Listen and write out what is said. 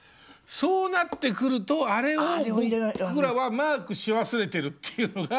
そうなってくるとあれを僕らはマークし忘れてるっていうのが。